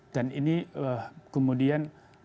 dan ini kemudian berkolaborasi